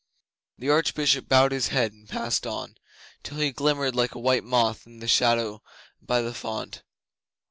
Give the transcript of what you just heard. The Archbishop bowed his head and passed on, till he glimmered like a white moth in the shadow by the font.